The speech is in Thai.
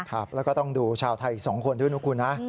ครับแล้วก็ต้องดูชาวไทยอีก๒คนด้วยนะคุณนะ